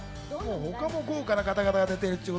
他も豪華な方々が出ている。